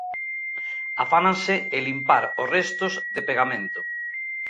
Afánanse en limpar os restos de pegamento.